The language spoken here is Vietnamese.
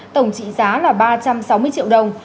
tổng trị giá là ba trăm sáu mươi triệu đồng